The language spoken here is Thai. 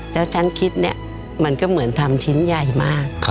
แล้วฉันคิดเนี่ยมันก็เหมือนทำชิ้นใหญ่มาก